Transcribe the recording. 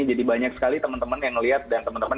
jadi banyak sekali teman teman yang ngeliat dan teman teman